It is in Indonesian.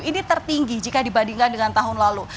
ini tertinggi jika dibandingkan dengan tahun lalu